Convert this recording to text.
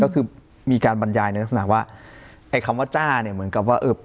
ก็คือมีการบรรยายในลักษณะว่าไอ้คำว่าจ้าเนี่ยเหมือนกับว่าเออ